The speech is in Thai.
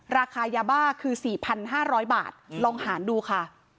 ราคายาบ้าคือ๔๕๐๐บาทลองหารดูค่ะ